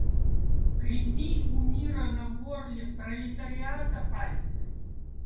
Крепи у мира на горле пролетариата пальцы!